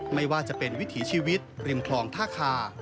ไม่ว่าจะเป็นวิถีชีวิตริมคลองท่าคา